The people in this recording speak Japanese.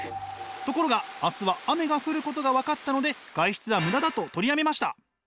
ところが明日は雨が降ることが分かったので外出はムダだと取りやめました。